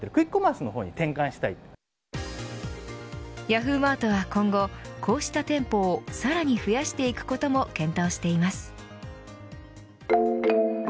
ヤフーマートは今後こうした店舗をさらに増やしていくことも検討しています。